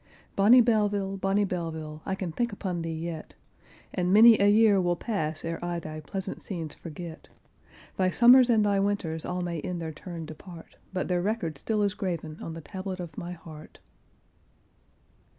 Bonny Belleville! bonny Belleville! I can think upon thee yet, And many a year will pass ere I thy pleasant scenes forget; Thy summers and thy winters all may in their turn depart, But their record still is graven on the tablet of my heart.